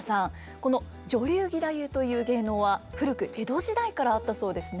この女流義太夫という芸能は古く江戸時代からあったそうですね。